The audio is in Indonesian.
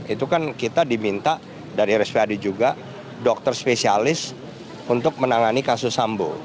itu kan kita diminta dari rspad juga dokter spesialis untuk menangani kasus sambo